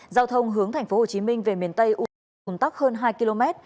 giao thông hướng tp hcm về miền tây uổn tắc hơn hai km